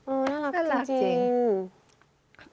อือน่ารักจริงน่ารักจริง